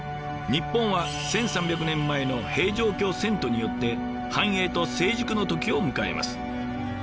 日本は１，３００年前の平城京遷都によって繁栄と成熟の時を迎えます。